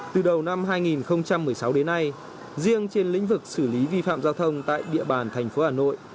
từ đầu năm hai nghìn một mươi sáu đến nay riêng trên lĩnh vực xử lý vi phạm giao thông tại địa bàn thành phố hà nội